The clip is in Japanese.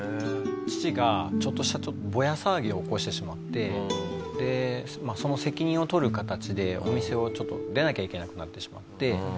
父がちょっとしたボヤ騒ぎを起こしてしまってでその責任を取る形でお店を出なきゃいけなくなってしまって。